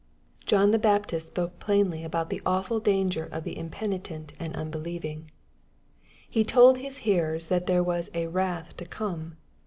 John the Baptist spoke plainly alxmt the awfm danger of the impenitent and unbelieving. He told his hearers that there was a "wrath to come.''